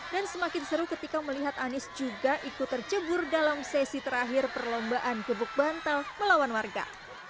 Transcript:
dan semakin seru ketika melihat anis juga ikut terjebur dalam sesi terakhir perlombaan gebuk bantal melawan warga